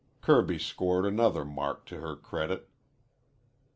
Kirby scored another mark to her credit.